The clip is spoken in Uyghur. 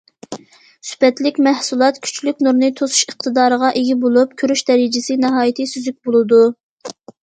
سۈپەتلىك مەھسۇلات كۈچلۈك نۇرنى توسۇش ئىقتىدارىغا ئىگە بولۇپ، كۆرۈش دەرىجىسى ناھايىتى سۈزۈك بولىدۇ.